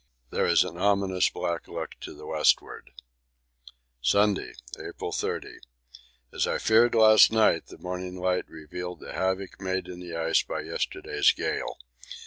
There is an ominous black look to the westward. Sunday, April 30. As I feared last night, the morning light revealed the havoc made in the ice by yesterday's gale.